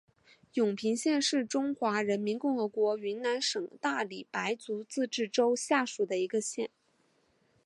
永平县是中华人民共和国云南省大理白族自治州下属的一个县。